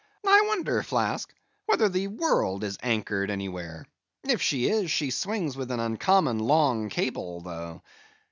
I wonder, Flask, whether the world is anchored anywhere; if she is, she swings with an uncommon long cable, though.